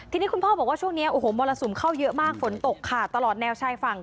ทีนี้คุณพ่อบอกว่าช่วงนี้โอ้โหมรสุมเข้าเยอะมากฝนตกค่ะตลอดแนวชายฝั่ง